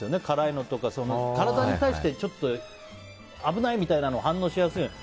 辛いのとか、体に対してちょっと危ないみたいなのが反応しやすい。